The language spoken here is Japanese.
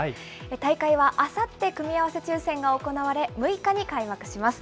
大会はあさって組み合わせ抽せんが行われ、６日に開幕します。